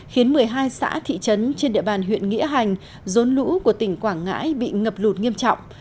khiến một mươi hai xã thị trấn trên địa bàn huyện nghĩa hành rốn lũ của tỉnh quảng ngãi bị ngập lụt nghiêm trọng